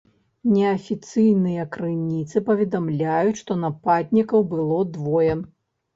Неафіцыйныя крыніцы паведамляюць, што нападнікаў было двое.